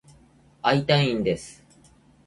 会いたいんです。